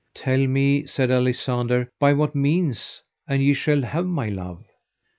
Tell me, said Alisander, by what means, and ye shall have my love.